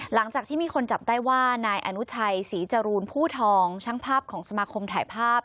หลังจากที่มีคนจับได้ว่านายอนุชัยศรีจรูนผู้ทองช่างภาพของสมาคมถ่ายภาพ